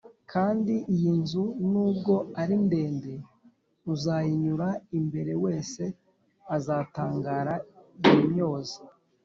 kandi iyi nzu nubwo ari ndende uzayinyura imbere wese azatangara yimyoze